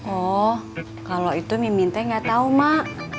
oh kalau itu mimin teh gak tau mak